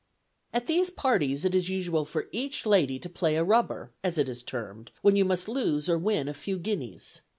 "At these parties it is usual for each lady to play a rubber, as it is termed, when you must lose or win a few guineas.